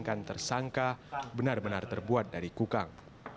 yang tersangka benar benar terbuat dari kukang